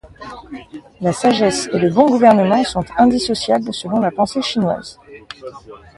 La sagesse et le bon gouvernement sont indissociables selon la pensée chinoise.